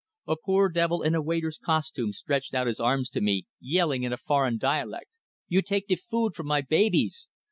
A poor devil in a waiter's costume stretched out his arms to me, yelling in a foreign dialect: "You take de food from my babies!"